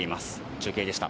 中継でした。